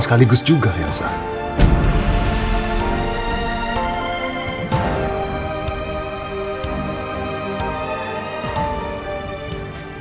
sudah belas kota sudah kutulis sampe selera